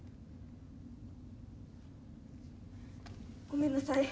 ごめんなさい。